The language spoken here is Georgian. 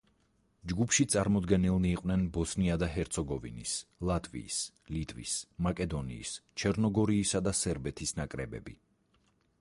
ჯგუფში წარმოდგენილნი იყვნენ ბოსნია და ჰერცეგოვინის, ლატვიის, ლიტვის, მაკედონიის, ჩერნოგორიისა და სერბეთის ნაკრებები.